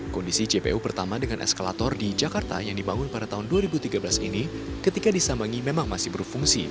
kondisi jpo pertama dengan eskalator di jakarta yang dibangun pada tahun dua ribu tiga belas ini ketika disambangi memang masih berfungsi